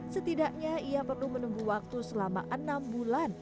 setidaknya ia perlu menunggu waktu selama enam bulan